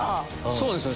そうですね。